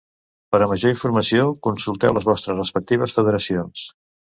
Per a major informació, consulteu les vostres respectives federacions.